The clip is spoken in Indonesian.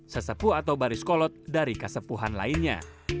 sesepu atau baris kolot dari kasepuan lainnya